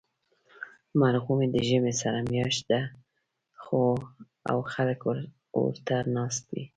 مرغومی د ژمي سړه میاشت ده، او خلک اور ته ناست وي.